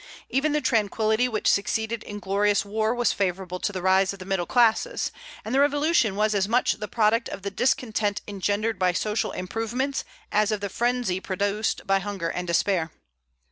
Even the tranquillity which succeeded inglorious war was favorable to the rise of the middle classes; and the Revolution was as much the product of the discontent engendered by social improvements as of the frenzy produced by hunger and despair.